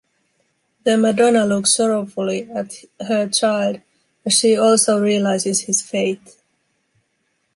The Madonna looks sorrowfully at her child, as she also realises his fate.